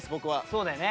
そうだよね。